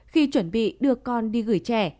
khi chuẩn bị đưa con đi gửi trẻ